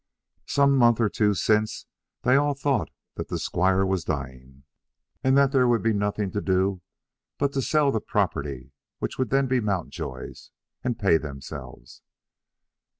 Some month or two since they all thought that the squire was dying, and that there would be nothing to do but to sell the property which would then be Mountjoy's, and pay themselves.